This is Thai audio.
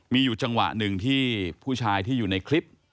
มีอยู่จังหวะหนึ่งที่ผู้ชายที่อยู่ในคลิป